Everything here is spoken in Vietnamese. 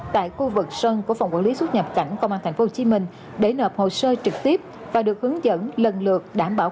tại khu vực sân của phòng quản lý xuất nhập cảnh công an tp hcm để nộp hồ sơ trực tiếp và được hướng dẫn lần lượt đảm bảo